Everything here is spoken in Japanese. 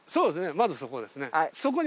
まずそこですねそこに。